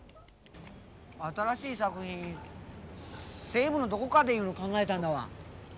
新しい作品西部のどこかでっていうの考えたんだわ。